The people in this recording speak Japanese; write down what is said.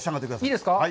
いいですか？